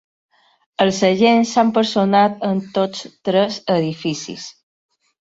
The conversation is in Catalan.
Els agents s’han personat en tots tres edificis.